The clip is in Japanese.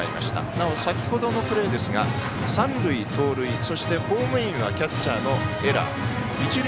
なお、先ほどのプレーですが三塁盗塁そしてホームインはキャッチャーのエラー。